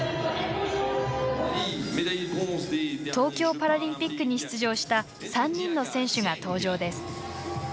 東京パラリンピックに出場した３人の選手が登場です。